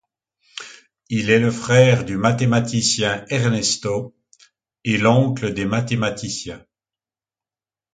Il est le frère du mathématicien Ernesto, et l'oncle des mathématiciens Mario et Alberto.